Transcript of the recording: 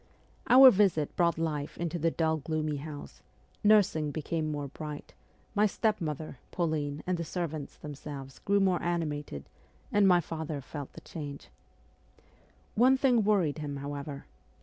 Our visit brought life into the dull, gloomy house ; nursing became more bright ; my step mother, Pauline, the servants them selves, grew more animated, and my father felt the change. One thing worried him, however.